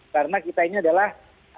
karena kita ini adalah